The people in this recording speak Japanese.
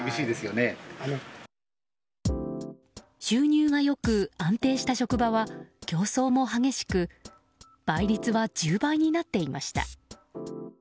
収入が良く安定した職場は競争も激しく倍率は１０倍になっていました。